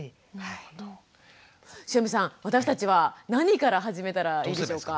汐見さん私たちは何から始めたらいいでしょうか？